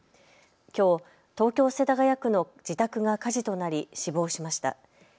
きょう東京世田谷区の自宅が火事となり死亡しました。